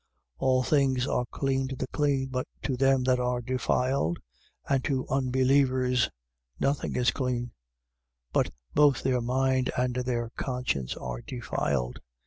1:15. All things are clean to the clean: but to them that are defiled and to unbelievers, nothing is clean: but both their mind and their conscience are defiled.